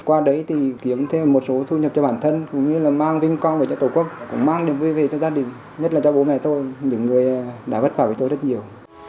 qua đấy thì kiếm thêm một số thu nhập cho bản thân cũng như là mang vinh con về cho tổ quốc mang niềm vui về cho gia đình nhất là cho bố mẹ tôi những người đã vất vả với tôi rất nhiều